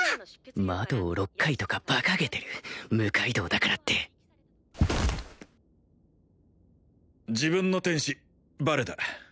窓を６回とかバカげてる六階堂だからって自分の天使バレだ